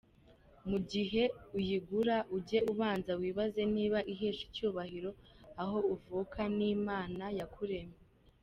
Mu gihe uyigura, ujye ubanza wibaze niba ihesha icyubahiro aho uvuka n’Imana yakuremye.